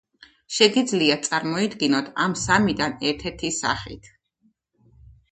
შეგიძლიათ წარმოიდგინოთ ამ სამიდან ერთ-ერთი სახით.